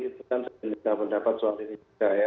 itu kan saya mendapat soal ini juga ya